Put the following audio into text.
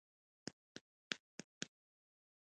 تش تور میدانونه د ونو تنې ټول په واورو کې پټ شول.